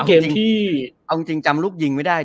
เอาจริงจำลูกยิงไม่ได้